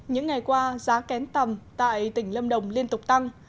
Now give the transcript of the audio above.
những ngày qua giá kén tầm tại tỉnh lâm đồng liên tục tăng